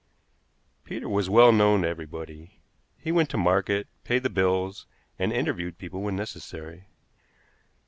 Peter was well known to everybody. He went to market, paid the bills, and interviewed people when necessary.